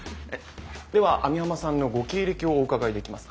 では網浜さんのご経歴をお伺いできますか？